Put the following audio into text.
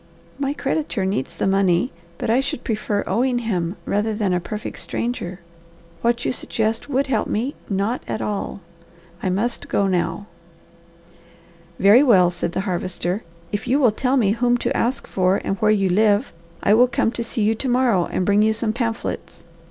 "My creditor needs the money, but I should prefer owing him rather than a perfect stranger. What you suggest would help me not at all. I must go now." "Very well," said the Harvester. "If you will tell me whom to ask for and where you live, I will come to see you to morrow and bring you some pamphlets.